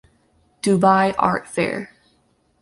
Dubai Art Fair.